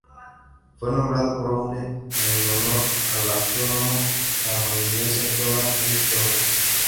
Fue nombrado Brownlee en honor al astrónomo estadounidense Donald E. Brownlee.